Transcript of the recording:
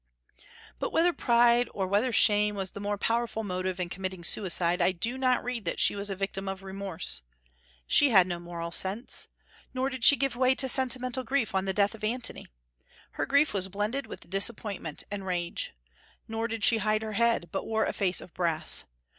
But whether pride or whether shame was the more powerful motive in committing suicide, I do not read that she was a victim of remorse. She had no moral sense. Nor did she give way to sentimental grief on the death of Antony. Her grief was blended with disappointment and rage. Nor did she hide her head, but wore a face of brass.